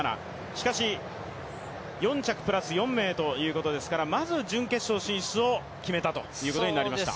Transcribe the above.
しかし４着プラス４名ということですからまず、準決勝進出を決めたということになりました。